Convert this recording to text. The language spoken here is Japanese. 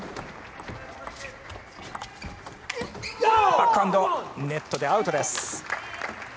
バックハンドネットでアウトです。